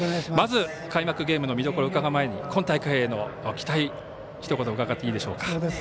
まず、開幕ゲームの見どころを伺う前に今大会への期待ひと言伺っていいでしょうか。